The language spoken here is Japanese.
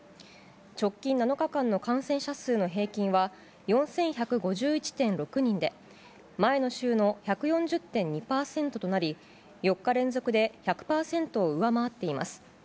直近７日間の感染者数の平均は、４１５１．６人で、前の週の１４０．２％となり、４日連続で１００％を上回っています。